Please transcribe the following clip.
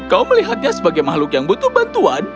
kau melihatnya sebagai makhluk yang butuh bantuan